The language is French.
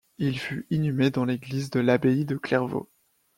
Il fut inhumé dans l'église de l'abbaye de Clairvaux.